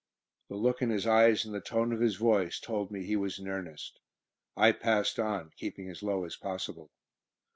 The look in his eyes and the tone of his voice told me he was in earnest. I passed on, keeping as low as possible.